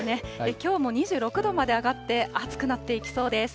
きょうも２６度まで上がって、暑くなっていきそうです。